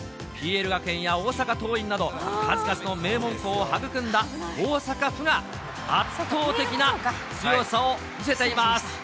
ＰＬ学園や大阪桐蔭など、数々の名門校を育んだ、大阪府が圧倒的な強さを見せています。